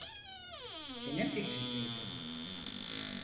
Senin fikrin miydi?